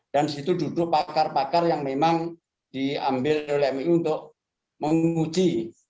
dan di situ duduk pakar pakar yang memang diambil oleh mu untuk menguji